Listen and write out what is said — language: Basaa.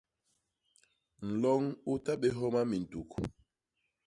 Nloñ u ta bé homa mintuk.